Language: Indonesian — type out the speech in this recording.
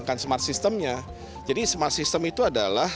produk berairnya yang segera diterima biasa